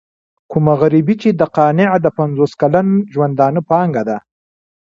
کومه غريبي چې د قانع د پنځوس کلن ژوندانه پانګه ده.